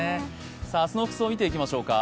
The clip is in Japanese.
明日の服装、見ていきましょうか。